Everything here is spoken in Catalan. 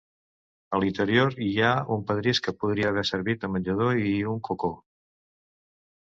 A l'interior hi ha un pedrís que podria haver servit de menjadora i un cocó.